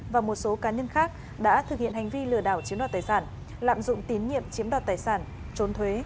và một số cá nhân khác đã thực hiện hành vi lừa đảo chiếm đoạt tài sản lạm dụng tín nhiệm chiếm đoạt tài sản trốn thuế